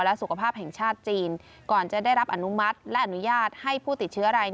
และสุขภาพแห่งชาติจีนก่อนจะได้รับอนุมัติและอนุญาตให้ผู้ติดเชื้อราย